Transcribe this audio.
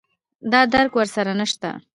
دا درک ور سره نشته